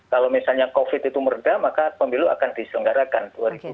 kalau misalnya covid itu meredah maka pemilu akan diselenggarakan dua ribu dua puluh